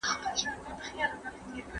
- پخوانۍ؟ ته څه پوه شوې؟